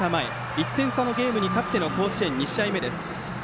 １点差のゲームに勝っての甲子園２試合目です。